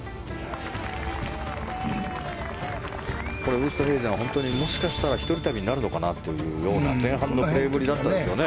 これ、ウーストヘイゼンはもしかしたら１人旅になるのかなというような前半のプレーぶりだったんですよね。